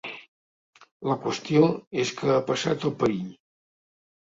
La qüestió és que ha passat el perill.